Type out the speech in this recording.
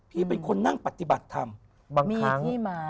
พี่เป็นคนนั่งปฏิบัติธรรม